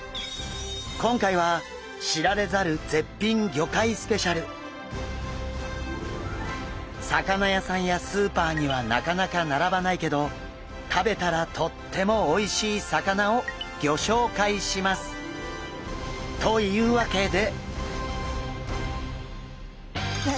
今回は魚屋さんやスーパーにはなかなか並ばないけど食べたらとってもおいしい魚をギョ紹介します！というわけで。